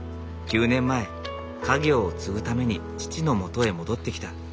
９年前家業を継ぐために父のもとへ戻ってきた。